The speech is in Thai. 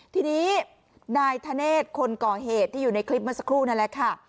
ทีนี้นายธเนธคนก่อเหตุที่อยู่ในคลิปเมื่อสักครู่นั่นแหละค่ะ